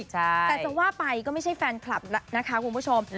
แต่จะว่าไปก็ไม่ใช่แฟนคลับแล้วนะคะคุณผู้ชม